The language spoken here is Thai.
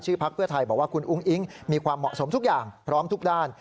พักเพื่อไทยบอกว่าคุณอุ้งอิ๊งมีความเหมาะสมทุกอย่างพร้อมทุกด้าน